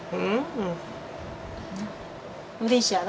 うれしいやろ？